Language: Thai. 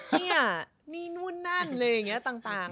เนี่ยนี่นู่นนั่นอะไรอย่างนี้ต่าง